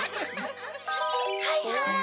はいはい！